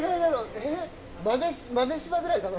えっ豆柴ぐらいかな？